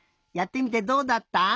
やってみてどうだった？